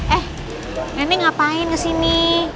eh nenek ngapain kesini